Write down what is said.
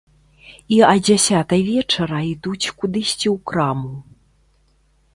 І а дзясятай вечара ідуць кудысьці ў краму.